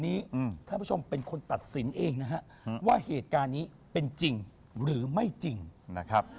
ท่านผู้ชมเป็นคนตัดสินเองนะฮะว่าเหตุการณ์นี้เป็นจริงหรือไม่จริงนะครับ